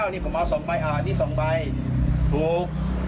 นี่ผมเอาเอา๒๒๙ตัวอันนี้ผมเอา๒ใบนี่๒ใบถูก